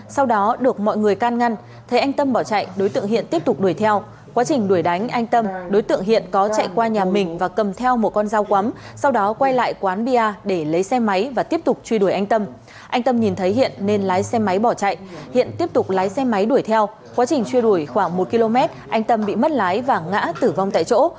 quá trình truy đuổi khoảng một km anh tâm bị mất lái và ngã tử vong tại chỗ